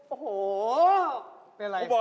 โอ้โฮ